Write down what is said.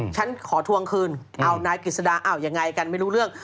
ฉันขอทวงคืนเอานายกฤษฎาอ้าวยังไงกันไม่รู้เรื่อง